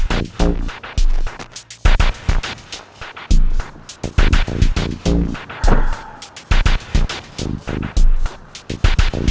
ternyata dia malah yang belum datang